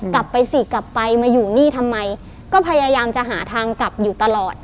กลับไปสิกลับไปมาอยู่นี่ทำไมก็พยายามจะหาทางกลับอยู่ตลอด